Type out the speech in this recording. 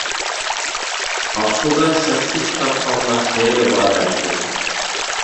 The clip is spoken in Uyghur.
ئاقسۇدا شەخسىي كىتابخانىلار خېلى بار ئەپسۇس.